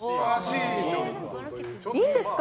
いいんですか？